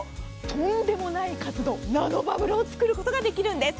とんでもない数のナノバブルを作ることができるんです。